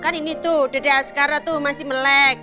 kan ini tuh dari askara tuh masih melek